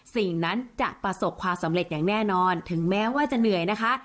สิ่งนั้นจะประสบความสำเร็จอย่างแน่นอนถึงแม้ว่าจะเหนื่อยนะคะ